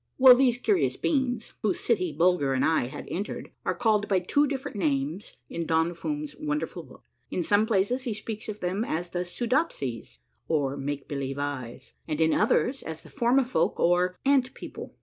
Well, these curious beings whose city Bulger and I had entered are called by two different names in Don Fum's won derful book. In some places he speaks of them as the Soodop sies, or Make believe Eyes, and in others as the Formifolk or Ant People.